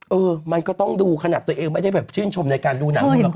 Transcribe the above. เออมันก็ต้องดูขนาดตัวเองไม่ได้แบบชื่นชมในการดูหนังเลยหรอก